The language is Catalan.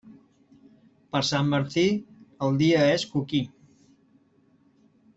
Per Sant Martí, el dia és coquí.